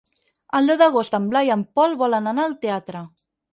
El deu d'agost en Blai i en Pol volen anar al teatre.